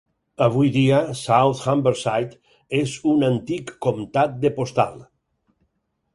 Avui dia, South Humberside és un "antic comtat de postal".